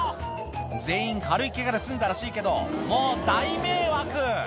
全員、軽いけがで済んだらしいけど、もう大迷惑。